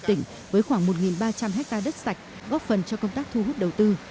tỉnh với khoảng một ba trăm linh hectare đất sạch góp phần cho công tác thu hút đầu tư